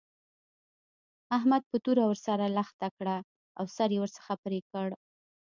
احمد په توره ور سره لښته کړه او سر يې ورڅخه پرې کړ.